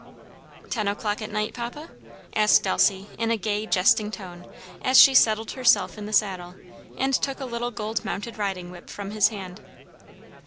"Ten o'clock at night, papa?" asked Elsie in a gay, jesting tone, as she settled herself in the saddle, and took a little gold mounted riding whip from his hand.